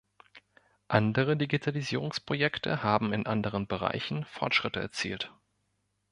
Andere Digitalisierungsprojekte haben in anderen Bereichen Fortschritte erzielt.